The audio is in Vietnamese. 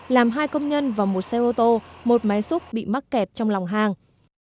làm hai công nhân và một xe ô tô một máy xúc bị mắc kẹt trong lòng hang